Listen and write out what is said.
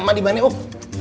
mak dimana huk